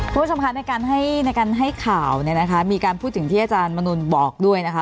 คุณผู้ชมคะในการให้ข่าวมีการพูดถึงที่อาจารย์มันุนบอกด้วยนะคะ